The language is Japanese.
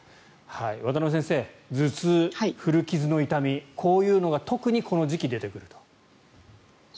渡邊先生、頭痛、古傷の痛みこういうのが特にこの時期、出てくると。